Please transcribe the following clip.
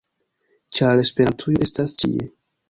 - ĉar Esperantujo estas ĉie!